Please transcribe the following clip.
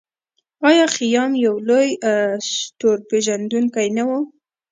آیا خیام یو لوی ستورپیژندونکی نه و؟